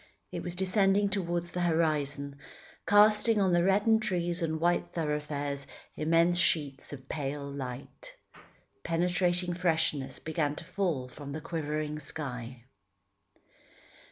It was descending towards the horizon, casting on the reddened trees and white thoroughfares immense sheets of pale light. Penetrating freshness began to fall from the quivering sky.